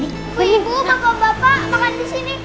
ibu ibu bapak bapak makan disini